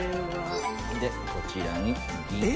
でこちらに。